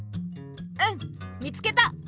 うん見つけた！